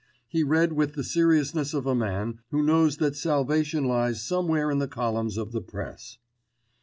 He read with the seriousness of a man who knows that salvation lies somewhere in the columns of the Press.